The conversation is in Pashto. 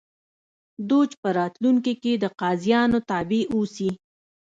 دوج په راتلونکي کې د قاضیانو تابع اوسي